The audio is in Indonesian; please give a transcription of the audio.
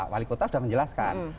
wali kota sudah menjelaskan